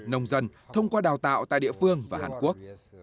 nông dân thông qua đào tạo tại địa phương và hàn quốc